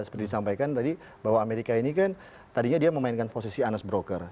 seperti disampaikan tadi bahwa amerika ini kan tadinya dia memainkan posisi unest broker